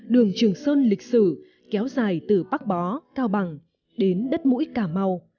đường trường sơn lịch sử kéo dài từ bắc bó cao bằng đến đất mũi cà mau